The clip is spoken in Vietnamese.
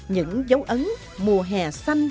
những dấu ấn mùa hè xanh